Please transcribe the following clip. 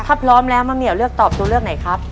ถ้าพร้อมแล้วมะเหมียวเลือกตอบตัวเลือกไหนครับ